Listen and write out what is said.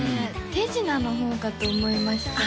手品の方かと思いましたあ